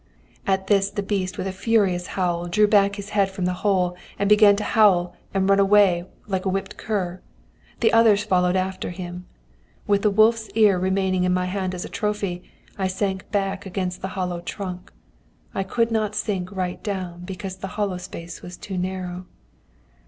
"At this the beast, with a furious howl, drew back his head from the hole, and began to howl and run away like a whipped cur. The others followed after him. With the wolf's ear remaining in my hand as a trophy, I sank back against the hollow trunk; I could not sink right down, because the hollow space was too narrow."